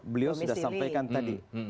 beliau sudah sampaikan tadi